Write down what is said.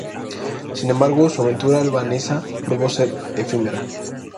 Sin embargo, su aventura albanesa probó ser efímera.